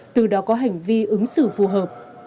từ đó có hành vi ứng xử phù hợp